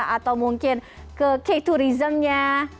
atau mungkin ke k tourismnya